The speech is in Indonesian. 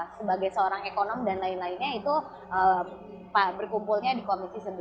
sebagai seorang ekonom dan lain lainnya itu berkumpulnya di komisi sebelas